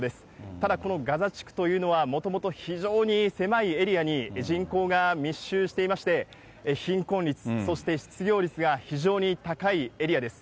ただ、このガザ地区というのは、もともと非常に狭いエリアに人口が密集していまして、貧困率、そして失業率が非常に高いエリアです。